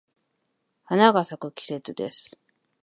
花が咲く季節です。